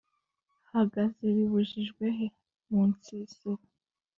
hagaze bibujijwehe? munsisiro